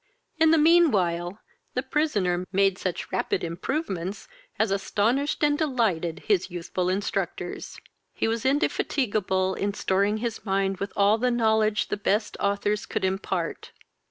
In the mean while, the prisoner made such rapid improvements, as astonished and delighted his youthful instructors. He was indefatigable in storing his mind with all the knowledge the best authors could impart.